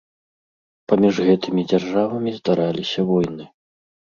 Паміж гэтымі дзяржавамі здараліся войны.